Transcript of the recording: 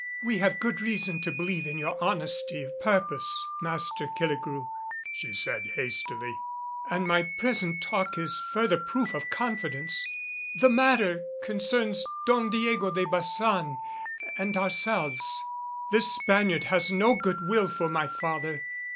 "We have good reason to believe in your honesty of purpose, Master Killigrew," she said hastily, "and my present talk is further proof of confidence. The matter concerns Don Diego de Baçan and ourselves. This Spaniard has no good will for my father."